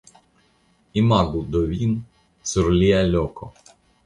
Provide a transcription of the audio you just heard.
Imagu do vin sur lia loko!